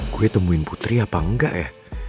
gue temuin putri apa enggak ya